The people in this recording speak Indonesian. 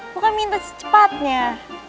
lu kan minta secepatnya